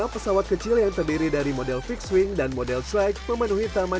lima pesawat kecil yang terdiri dari model fixed wing dan model trig memenuhi taman